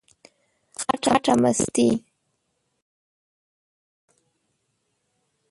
خټه مستې،